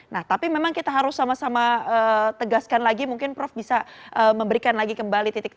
nah tapi memang kita harus sama sama tegaskan lagi mungkin prof bisa memberikan lagi kembali